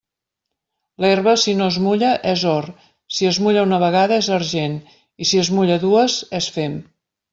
L'herba, si no es mulla, és or; si es mulla una vegada, és argent, i si es mulla dues, és fem.